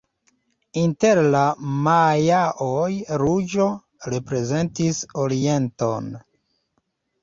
Inter la majaoj ruĝo reprezentis orienton.